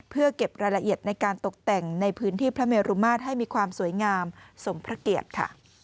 เพื่อเก็บรายละเอียดในการตกแต่งในพื้นที่พระเมรุมาตรให้มีความสวยงามสมพระเกียรติค่ะ